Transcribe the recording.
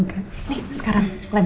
nih sekarang labelnya kelapa